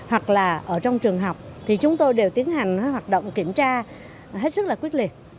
hoặc là ở trong trường học thì chúng tôi đều tiến hành hoạt động kiểm tra hết sức là quyết liệt